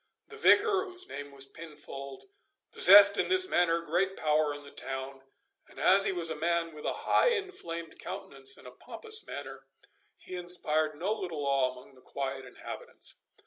The Vicar, whose name was Pinfold, possessed in this manner great power in the town, and as he was a man with a high inflamed countenance and a pompous manner, he inspired no little awe among the quiet inhabitants.